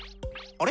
あれ？